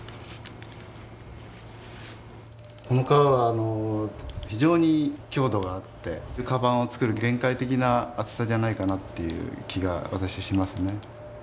この革は非常に強度があって鞄を作る限界的な厚さじゃないかなっていう気が私しますね。